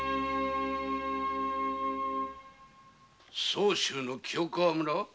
相州の清川村？